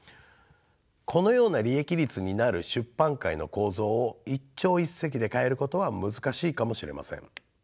このような利益率になる出版界の構造を一朝一夕で変えることは難しいかもしれません。